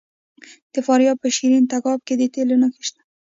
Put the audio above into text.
د فاریاب په شیرین تګاب کې د تیلو نښې شته.